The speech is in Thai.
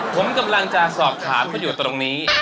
ผมกำลังจะสอบถามเขาอยู่ตรงนี้